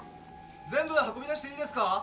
全部運び出していいですか？